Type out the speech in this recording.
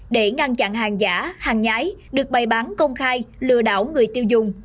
để ngăn chặn hàng giả hàng nhái được bày bán công khai lừa đảo người tiêu dùng